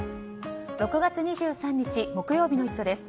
６月２３日、木曜日の「イット！」です。